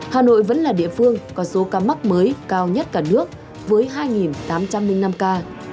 hà nội vẫn là địa phương có số ca mắc mới cao nhất cả nước với hai tám trăm linh năm ca